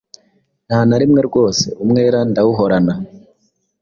Ntanarimwe rwose umwera ndawuhorana